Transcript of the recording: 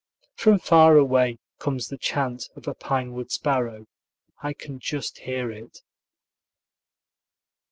From far away comes the chant of a pine wood sparrow. I can just hear it.